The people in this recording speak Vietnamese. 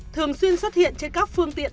thường xuyên xuất hiện trên các phương tiện